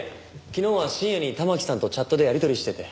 昨日は深夜に環さんとチャットでやり取りしてて。